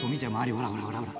ほらほらほらほら！